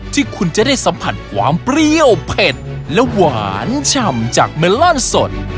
ที่คุณจะได้สัมผัสความเปรี้ยวเผ็ดและหวานฉ่ำจากเมลอนสด